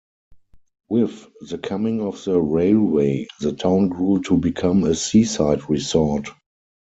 With the coming of the railway, the town grew to become a seaside resort.